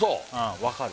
分かる